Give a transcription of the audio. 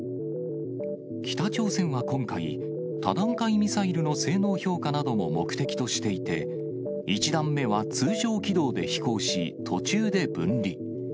北朝鮮は今回、多段階ミサイルの性能評価なども目的としていて、１段目は通常軌道で飛行し、途中で分離。